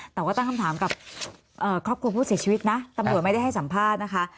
แต่ว่าตั้งคำถามกับครอบครัวผู้เสียชีวิตนะตำรวจไม่ได้ให้สัมภาษณ์นะคะ